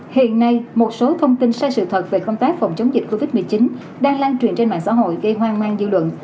hiện nay một số thông tin sai sự thật về công tác phòng chống dịch covid một mươi chín đang lan truyền trên mạng xã hội gây hoang mang dư luận